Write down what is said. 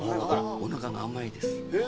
おなかが甘いです。